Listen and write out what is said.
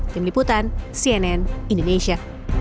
tim liputan cnn indonesia